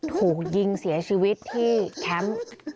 ถูกยิงเสียชีวิตที่แคมป์